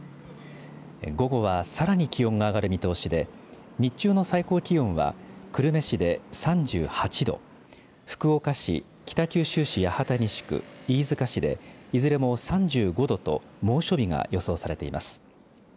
午後はさらに気温が上がる見通しで日中の最高気温は久留米市で３８度福岡市、北九州市、八幡西区飯塚市でいずれも３５度と猛暑日が予想されています。